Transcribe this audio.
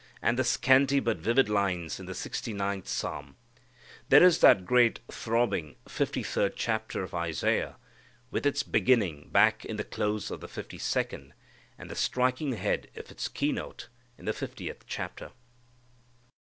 And the scanty but vivid lines in the Sixty ninth Psalm. There is that great throbbing fifty third of Isaiah, with its beginning back in the close of the fifty second, and the striking ahead of its key note in the fiftieth chapter.